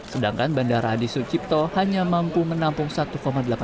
sedangkan bandara di sucipto hanya mampu menampung satu komputer